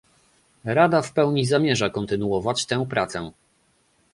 Rada w pełni zamierza kontynuować tę pracę